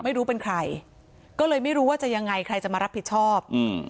ไม่รู้เป็นใครก็เลยไม่รู้ว่าจะยังไงใครจะมารับผิดชอบอืม